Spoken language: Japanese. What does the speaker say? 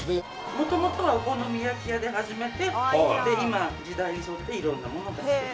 もともとはお好み焼き屋で始めてで今時代に沿っていろんなものを出してます